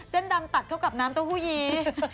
ดำตัดเข้ากับน้ำเต้าหู้ยี